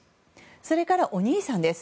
それから、お兄さんです。